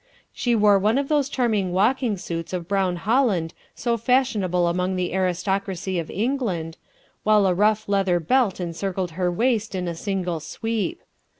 She wore one of those charming walking suits of brown holland so fashionable among the aristocracy of England, while a rough leather belt encircled her waist in a single sweep.